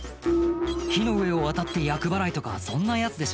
火の上を渡って厄払いとかそんなやつでしょ？